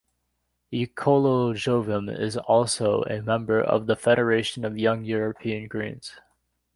Ecolojovem is also a member of the Federation of Young European Greens.